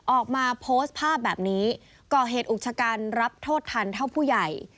ออกมาโพสต์ภาพแบบนี้ก่อเหตุอุกชะกันรับโทษทันเท่าผู้ใหญ่